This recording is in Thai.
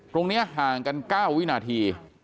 ตรงนี้ห่างกัน๙วินาที